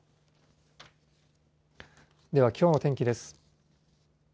では、きょうの天気です。